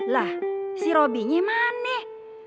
lha si robinnya maneh